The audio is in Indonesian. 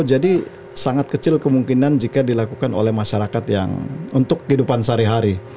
jadi sangat kecil kemungkinan jika dilakukan oleh masyarakat yang untuk kehidupan sehari hari